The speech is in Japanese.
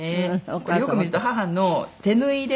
これよく見ると母の手縫いですよね。